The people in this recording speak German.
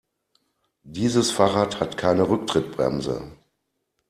Dieses Fahrrad hat keine Rücktrittbremse.